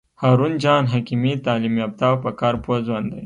هارون جان حکیمي تعلیم یافته او په کار پوه ځوان دی.